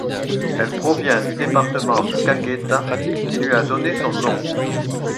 Elle provient du département de Caqueta qui lui a donné son nom.